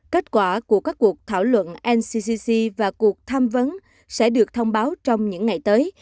kết quả của các cuộc thảo luận ncgc và cuộc tham vấn sẽ được thông báo trong những ngày tới